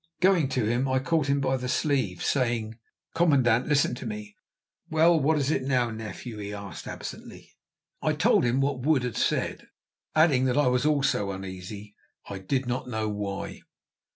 Going to him, I caught him by the sleeve, saying: "Commandant, listen to me." "Well, what is it now, nephew?" he asked absently. I told him what Wood had said, adding that I also was uneasy; I did not know why.